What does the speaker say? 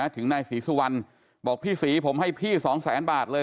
ถึงนายศรีสุวรรณบอกพี่ศรีผมให้พี่๒แสนบาทเลย